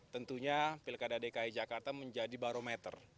tentunya pilkada dki jakarta menjadi barometer